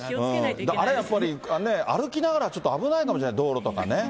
あれ、歩きながらちょっと危ないかもしれない、道路とかね。